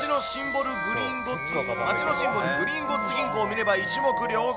町のシンボル、グリンゴッツ銀行を見れば一目瞭然。